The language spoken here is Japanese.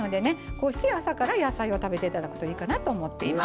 こうして朝から野菜を食べて頂くといいかなと思っています。